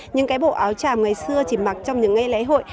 những cái bộ áo tràm ngày xưa chỉ mặc trong những ngày lễ hội